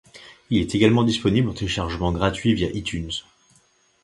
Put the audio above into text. Il est également disponible en téléchargement gratuit via iTunes.